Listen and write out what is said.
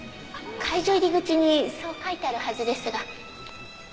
会場入り口にそう書いてあるはずですが。